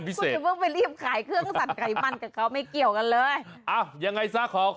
ไม่ได้ให้ลูกกินไอศครีม